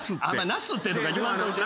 「なすって」とか言わんといて。